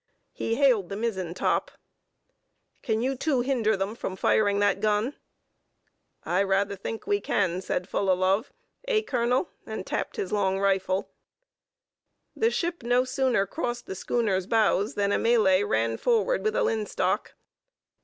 He hailed the mizzen top: "Can you two hinder them from firing that gun?" "I rather think we can," said Fullalove, "eh, colonel?" and tapped his long rifle. The ship no sooner crossed the schooner's bows than a Malay ran forward with a linstock.